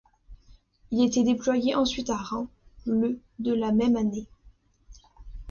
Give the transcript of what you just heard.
Il est déployé ensuite à Reims le de la même année.